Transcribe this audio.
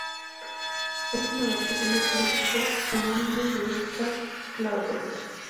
Es una adaptación del clásico homónimo de Gustave Flaubert.